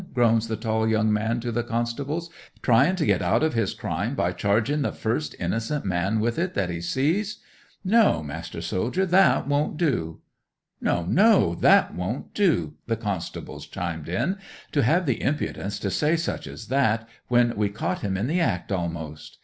groans the tall young man to the constables. "Trying to get out of his crime by charging the first innocent man with it that he sees! No, master soldier—that won't do!" '"No, no! That won't do!" the constables chimed in. "To have the impudence to say such as that, when we caught him in the act almost!